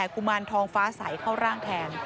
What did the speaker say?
กุมารทองฟ้าใสเข้าร่างแทน